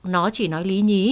nó chỉ nói lý nhí